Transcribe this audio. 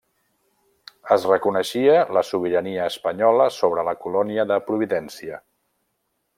Es reconeixia la sobirania espanyola sobre la colònia de Providència.